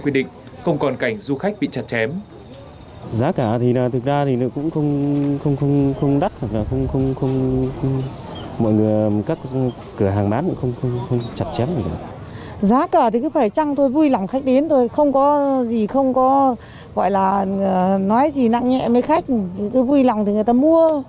quy định không còn cảnh du khách bị chặt chém